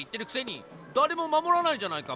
だれもまもらないじゃないか！